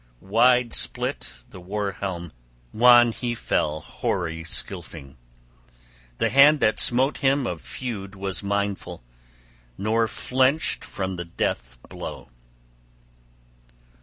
Wide split the war helm: wan he fell, hoary Scylfing; the hand that smote him of feud was mindful, nor flinched from the death blow.